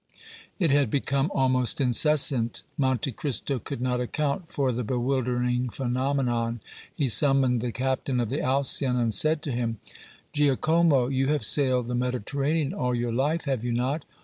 It had become almost incessant. Monte Cristo could not account for the bewildering phenomenon. He summoned the captain of the Alcyon and said to him: "Giacomo, you have sailed the Mediterranean all your life, have you not?"